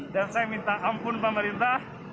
dan saya minta ampun pemerintah